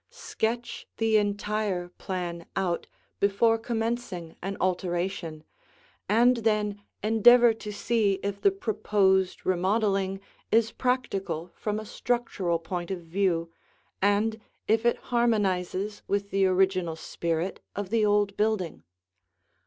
Sketch the entire plan out before commencing an alteration, and then endeavor to see if the proposed remodeling is practical from a structural point of view, and if it harmonizes with the original spirit of the old building.